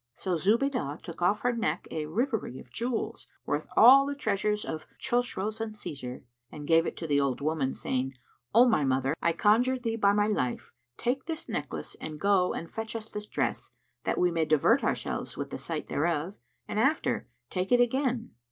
So Zubaydah took off her neck a rivičre of jewels, worth all the treasures of Chosroe and Cćsar, and gave it to the old woman, saying, "O my mother, I conjure thee by my life, take this necklace and go and fetch us this dress, that we may divert ourselves with the sight thereof, and after take it again!"